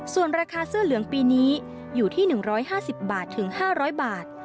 ส่วนราคาเสื้อเหลืองปีนี้อยู่ที่๑๕๐บาทถึง๕๐๐บาท